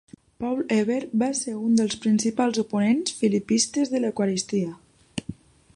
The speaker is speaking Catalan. Paul Eber va ser un dels principals oponents philippistes de l'eucaristia.